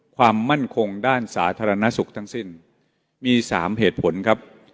ความมั่นคงด้านสาธารณสุขทั้งสิ้นมี๓เหตุผลครับ